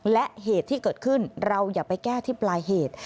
และเหตุที่เกิดขึ้นเราอย่าไปแก้ที่ปลายเหตุ